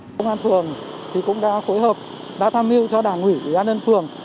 công an phường cũng đã phối hợp đã tham mưu cho đảng ủy ủy an ơn phường